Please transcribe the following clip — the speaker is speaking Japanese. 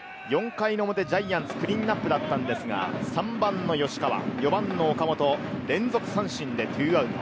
４回の表ジャイアンツ、クリーンナップだったんですが、３番の吉川、４番の岡本、連続三振で２アウト。